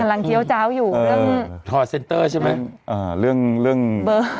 กำลังเยี้ยวเจ้าอยู่เรื่องอ่าเรื่องเรื่องเรื่องเบอร์